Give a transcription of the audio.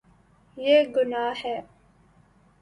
یے گناہ ہے